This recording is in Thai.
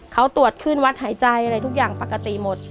เขาตรวจขึ้นวัดหายใจอะไรทุกอย่างปกติหมด